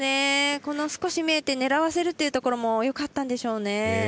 少し見えて狙わせるというところもよかったんでしょうね。